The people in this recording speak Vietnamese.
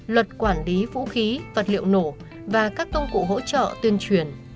luật quản lý vũ khí vật liệu nổ và các công cụ hỗ trợ tuyên truyền